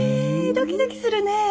ドキドキするね！